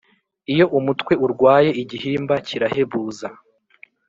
Iyo umutwe urwaye igihimba kirahebuza